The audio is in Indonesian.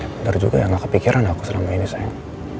bener juga ya gak kepikiran aku selama ini sayang